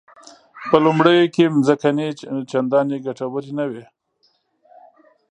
په لومړیو کې ځمکې چندانې ګټورې نه وې.